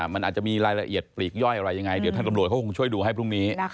มันอาจจะมีรายละเอียดปลีกย่อยอะไรยังไงเดี๋ยวท่านตำรวจเขาคงช่วยดูให้พรุ่งนี้